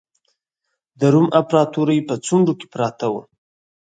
د روم امپراتورۍ په څنډو کې پراته وو.